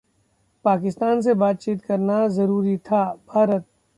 पाकिस्तान से बातचीत करना जरूरी था: भारत